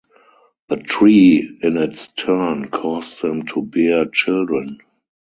The tree in its turn caused them to bear children.